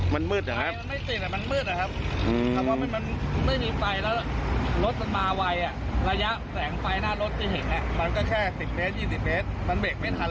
มันเบรกไม่ทันหรอครับ